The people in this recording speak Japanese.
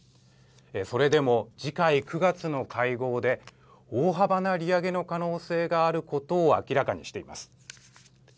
それでも次回、９月の会合で大幅な利上げの可能性があることを明らかにしています。